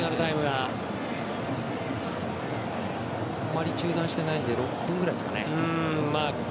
あまり中断してないので６分ぐらいかな。